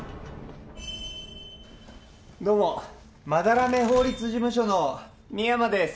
どうも斑目法律事務所の深山です